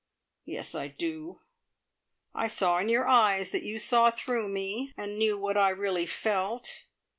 Yes, I do. I saw in your eyes that you saw through me, and knew what I really felt.